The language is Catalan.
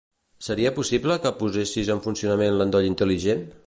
Seria possible que posessis en funcionament l'endoll intel·ligent?